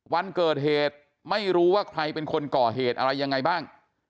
วันเกิดเหตุไม่รู้ว่าใครเป็นคนก่อเหตุอะไรยังไงบ้าง